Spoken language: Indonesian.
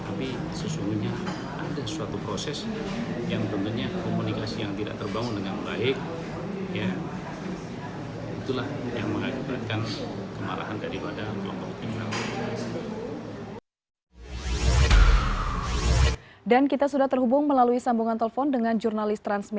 tapi sesungguhnya ada suatu proses yang tentunya komunikasi yang tidak terbangun dengan baik